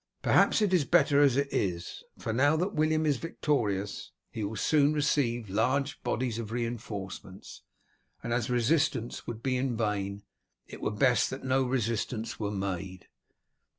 Perhaps it is better as it is; for now that William is victorious he will soon receive large bodies of reinforcements, and as resistance would be vain, it were best that no resistance were made.